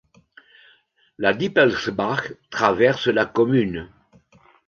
La Dippelsbach traverse la commune.